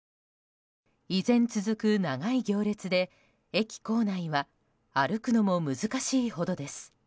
依然続く長い行列で、駅構内は歩くのも難しいほどです。